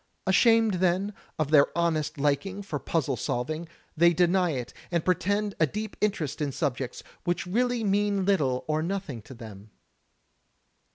Ashamed then, of their honest liking THE LITERATURE OF MYSTERY 1 7 for puzzle solving, they deny it, and pretend a deep interest in subjects which really mean little or nothing to them.